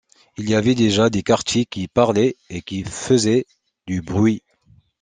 Il y avait déjà des quartiers qui parlaient et qui faisaient du bruit.